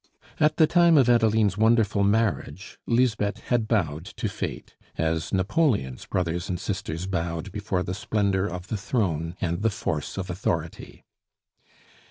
At the time of Adeline's wonderful marriage, Lisbeth had bowed to fate, as Napoleon's brothers and sisters bowed before the splendor of the throne and the force of authority.